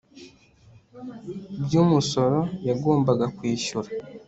by umusoro yagombaga kwishyura